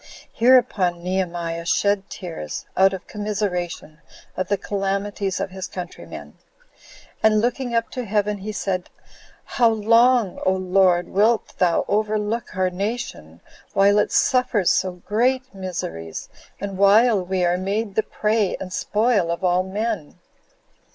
Hereupon Nehemiah shed tears, out of commiseration of the calamities of his countrymen; and, looking up to heaven, he said, "How long, O Lord, wilt thou overlook our nation, while it suffers so great miseries, and while we are made the prey and spoil of all men?"